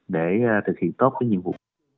để thực hiện tốt những nhiệm vụ